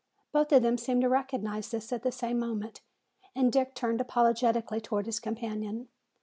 Both of them seemed to recognize this at the same moment, and Dick turned apologetically toward his companion.